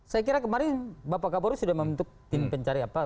saya kira kemarin bapak kapolri sudah membentuk tim pencarian